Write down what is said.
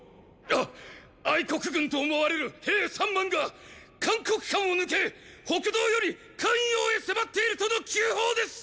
あっ国軍と思われる兵三万が函谷関を抜け北道より咸陽へ迫っているとの急報です！